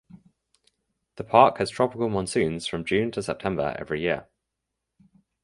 The park has tropical monsoons from June to September every year.